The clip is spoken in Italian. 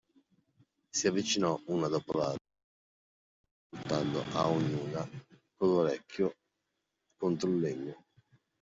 Si avvicinò, una dopo l'altra, alle tre porte, ascoltando a ognuna con l'orecchio contro il legno.